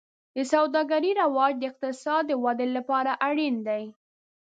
د سوداګرۍ رواج د اقتصاد د ودې لپاره اړین دی.